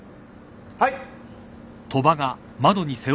はい。